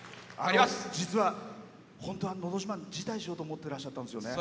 実は、本当は「のど自慢」を辞退しようと思ってらっしゃってたんですよね。